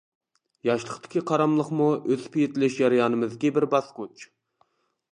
ياشلىقتىكى قاراملىقمۇ ئۆسۈپ يېتىلىش جەريانىمىزدىكى بىر باسقۇچ.